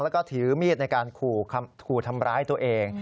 แล้วก็ถือมีดในการขู่ทำร้ายตัวเอง